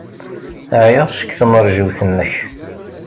Ɛyiɣ seg tmeṛjiwt-nnek.